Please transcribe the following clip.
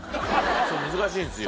そう難しいんですよ。